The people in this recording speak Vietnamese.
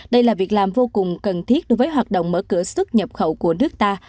đây là việc làm vô cùng cần thiết đối với hoạt động mở cửa xuất nhập khẩu của nước ta